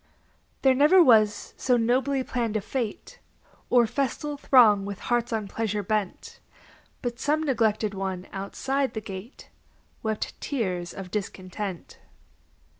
There never was so nobly planned a fête, Or festal throng with hearts on pleasure bent, But some neglected one outside the gate Wept tears of discontent.